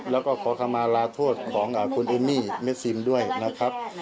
แล้วก็ขอคำมาลาโทษของคุณเอมมี่เมซิมด้วยนะครับ